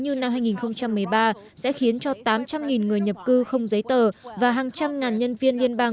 như năm hai nghìn một mươi ba sẽ khiến cho tám trăm linh người nhập cư không giấy tờ và hàng trăm ngàn nhân viên liên bang